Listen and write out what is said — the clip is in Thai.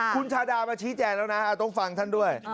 คุณชาดามาชี้แจงแล้วนะต้องฟังท่านด้วย